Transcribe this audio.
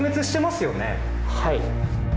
はい。